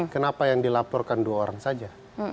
kenapa yang dilaporkan dua orang saja